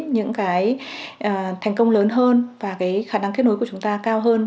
những thành công lớn hơn và khả năng kết nối của chúng ta cao hơn